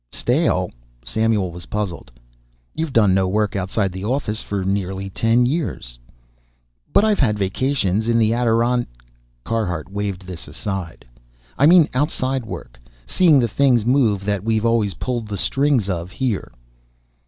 "Stale?" Samuel was puzzled. "You've done no work outside the office for nearly ten years?" "But I've had vacations, in the Adiron " Carhart waved this aside. "I mean outside work. Seeing the things move that we've always pulled the strings of here."